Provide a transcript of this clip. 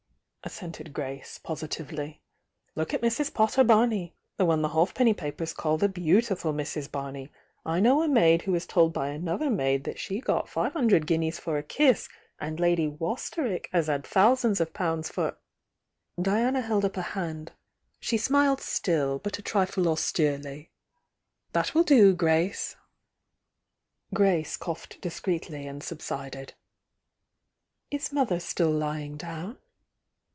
assented Grace, positively. "Look at Mrs. Potter Barney!— the one the halfpenny newspapers call the 'beautiful Mrs. Barney'! I know a maid who was told by another maid that she got five hundred guineas for a kiss!— and Lady Waster wick has had thousands of pounds for " Diana held up a hand,— she smiled still, but a trifle austerely. "That wiU do, Grace!" Grace coughed discreetly and subsided. "Is mother still lying down?"